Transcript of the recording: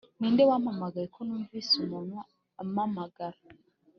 ninde wampamagaye ko numvise umuntu amamagara?